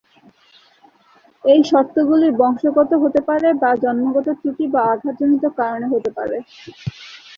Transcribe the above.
এই শর্তগুলি বংশগত হতে পারে বা জন্মগত ত্রুটি বা আঘাতজনিত কারণে হতে পারে।